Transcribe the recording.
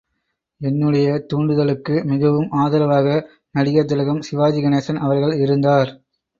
என்னுடைய தூண்டுதலுக்கு மிகவும் ஆதரவாக நடிகர் திலகம் சிவாஜிகணேசன் அவர்கள் இருந்தார்.